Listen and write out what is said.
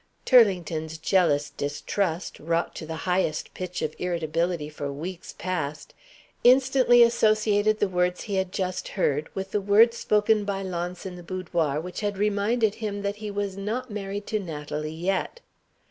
Turlington's jealous distrust, wrought to the highest pitch of irritability for weeks past, instantly associated the words he had just heard with the words spoken by Launce in the boudoir, which had reminded him that he was not married to Natalie yet.